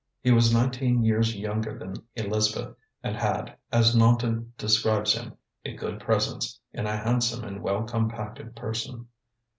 He was nineteen years younger than Elizabeth, and had, as Naunton describes him, 'a good presence in a handsome and well compacted person.